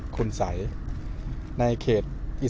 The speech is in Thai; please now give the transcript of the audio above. สวัสดีครับ